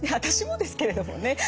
私もですけれどもね。